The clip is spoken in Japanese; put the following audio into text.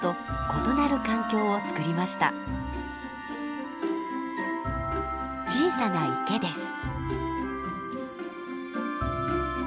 小さな池です。